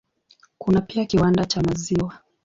Kuna pia kiwanda cha maziwa.